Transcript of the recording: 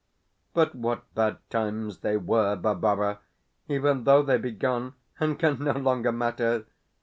But what bad times they were, Barbara, even though they be gone, and can no longer matter!